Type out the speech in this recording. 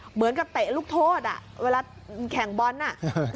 เหมือนกับเตะลูกโทษเวลาแข่งบ้อนน่ะ